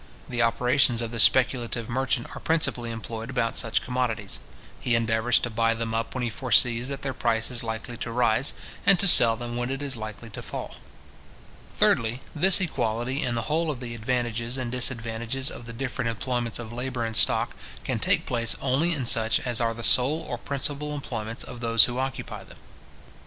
The operations of the speculative merchant are principally employed about such commodities. He endeavours to buy them up when he foresees that their price is likely to rise, and to sell them when it is likely to fall. Thirdly, this equality in the whole of the advantages and disadvantages of the different employments of labour and stock, can take place only in such as are the sole or principal employments of those who occupy them.